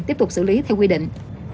tiếp tục xử lý theo quy định